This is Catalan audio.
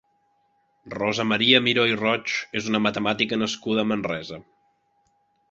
Rosa Maria Miró i Roig és una matemàtica nascuda a Manresa.